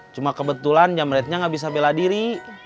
cuma kebetulan jamretnya nggak bisa bela diri